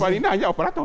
pertamina hanya operator